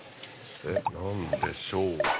えっ何でしょうか。